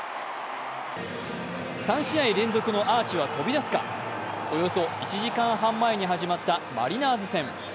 ３試合連続のアーチは飛び出すか、およそ１時間半前に始まったマリナーズ戦。